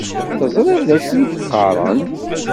Teẓriḍ d acu i d-qqaren..